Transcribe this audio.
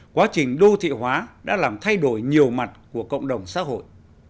quá trình đô thị hóa đã làm thay đổi nhiều mặt của cộng đồng xã hội